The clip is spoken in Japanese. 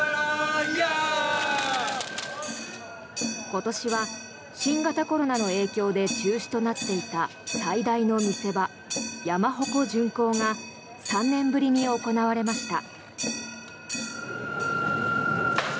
今年は、新型コロナの影響で中止となっていた最大の見せ場、山鉾巡行が３年ぶりに行われました。